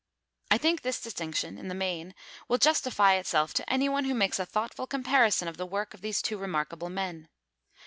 I think this distinction in the main will justify itself to anyone who makes a thoughtful comparison of the work of these two remarkable men.